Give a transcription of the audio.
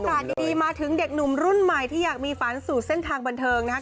อากาศดีมาถึงเด็กหนุ่มรุ่นใหม่ที่อยากมีฝันสู่เส้นทางบันเทิงนะครับ